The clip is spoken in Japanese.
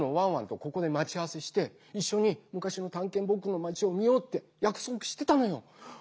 ここでまち合わせしていっしょにむかしの「たんけんぼくのまち」を見ようってやくそくしてたのよ。